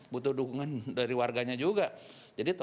butuh dukungan dari warganya juga